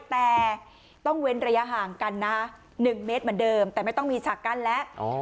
แต่ต้องเว้นระยะห่างกันนะ๑เมตรเหมือนเดิมแต่ไม่ต้องมีฉากกั้นแล้ว